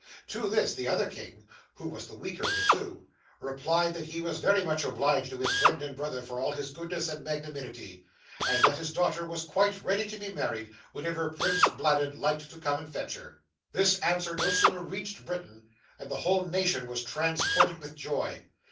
To this, the other king (who was the weaker of the two) replied that he was very much obliged to his friend and brother for all his goodness and magnanimity, and that his daughter was quite ready to be married, whenever Prince Bladud liked to come and fetch her. 'This answer no sooner reached Britain, than the whole nation was transported with joy.